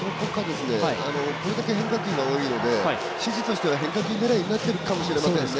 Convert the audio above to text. これだけ変化球が多いので指示としては変化球狙いになってるかもしれませんね。